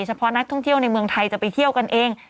เฉพาะนักท่องเที่ยวในเมืองไทยจะไปเที่ยวกันเอง